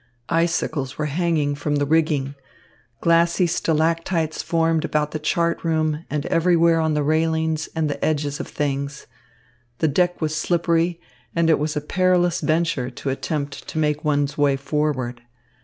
Icicles were hanging from the rigging. Glassy stalactites formed about the chart room and everywhere on the railings and edges of things. The deck was slippery, and it was a perilous venture to attempt to make one's way forward.